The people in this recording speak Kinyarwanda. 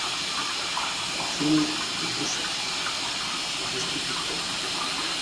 icyi ni igishwi, igishwi gito